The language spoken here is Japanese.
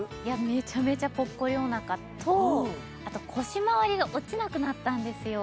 めちゃめちゃぽっこりお腹とあと腰まわりが落ちなくなったんですよ